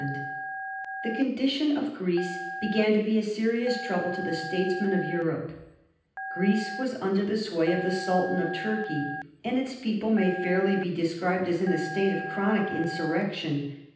[Sidenote: 1822 27 The war of Greek independence] The condition of Greece began to be a serious trouble to the statesmen of Europe. Greece was under the sway of the Sultan of Turkey, and its people may fairly be described as in a state of chronic insurrection.